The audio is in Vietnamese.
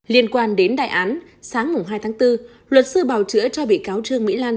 liên quan đến đại án sáng hai tháng bốn luật sư bào chữa cho bị cáo trương mỹ lan